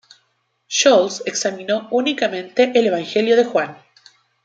Scholz examinó únicamente el Evangelio de Juan.